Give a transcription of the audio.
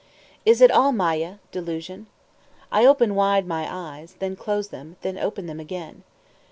Is it all maya, delusion? I open wide my eyes, then close them, then open them again.